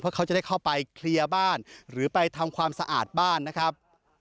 เพื่อเขาจะได้เข้าไปเคลียร์บ้านหรือไปทำความสะอาดบ้านนะครับ